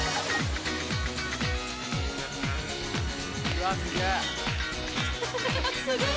うわすげぇ。